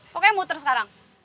pokoknya muter sekarang